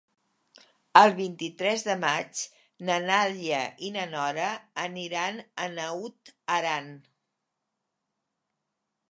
El vint-i-tres de maig na Nàdia i na Nora aniran a Naut Aran.